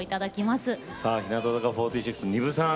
日向坂４６丹生さん